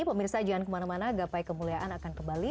pemirsa jangan kemana mana gapai kemuliaan akan kembali